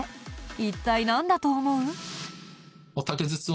一体なんだと思う？